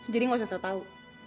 jadi nggak usah sok tau